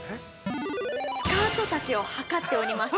◆スカート丈を測っております。